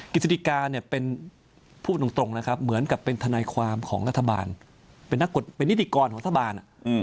กิจดิกาเป็นผู้ตรงเหมือนกับเป็นทนายความธนาคตหนิดิกรของธนาบาร